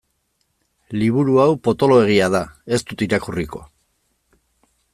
Liburu hau potoloegia da, ez dut irakurriko.